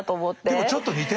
でもちょっと似てない？